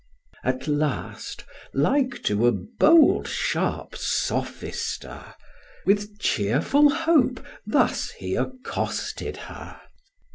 At last, like to a bold sharp sophister, With cheerful hope thus he accosted her.